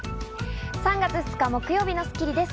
３月２日、木曜日の『スッキリ』です。